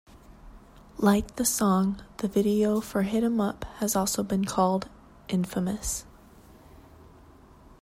Like the song, the video for "Hit 'Em Up" has also been called "infamous".